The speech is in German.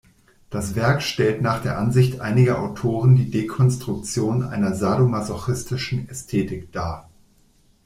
Das Werk stellt nach der Ansicht einiger Autoren die Dekonstruktion einer sadomasochistischen Ästhetik dar.